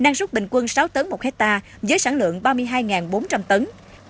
năng suất bình quân sáu tấn một hectare với sản lượng ba mươi hai bốn trăm linh tấn